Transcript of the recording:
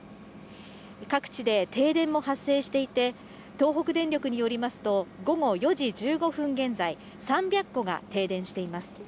各地で停電も発生していて、東北電力によりますと、午後４時１５分現在、３００戸が停電しています。